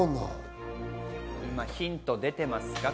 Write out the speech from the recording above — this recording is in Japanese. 今、ヒントが出ていますかね？